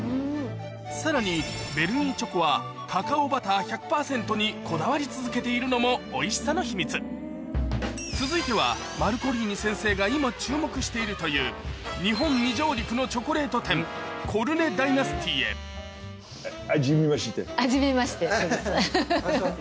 さらにベルギーチョコはカカオバター１００％にこだわり続けているのもおいしさの秘密続いてはマルコリーニ先生が今注目しているというチョコレート店はじめましてフフフフ。